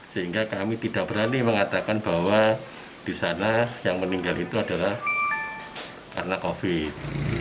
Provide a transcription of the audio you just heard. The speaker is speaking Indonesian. sehingga kami tidak berani mengatakan bahwa di sana yang meninggal itu adalah karena covid